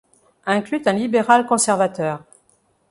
Inclut un libéral-conservateur.